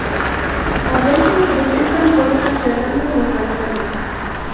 A veces presentan forja cerrando los balcones.